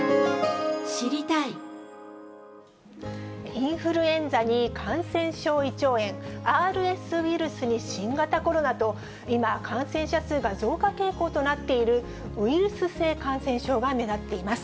インフルエンザに感染症胃腸炎、ＲＳウイルスに新型コロナと、今、感染者数が増加傾向となっているウイルス性感染症が目立っています。